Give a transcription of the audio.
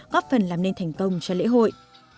góp phần làm nên thành công cho lễ hội